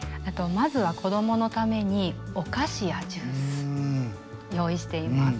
まずは子供のためにお菓子やジュース用意しています。